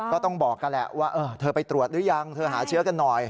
ก็ต้องบอกกันแหละว่าเธอไปตรวจหรือยังเธอหาเชื้อกันหน่อย